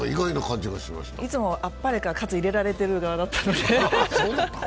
いつもあっぱれか、喝を入れられてる側だったので。